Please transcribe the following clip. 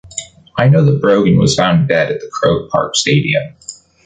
I know that Brogan was found dead at the Croke Park stadium.